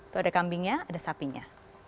itu ada kambingnya ada sapinya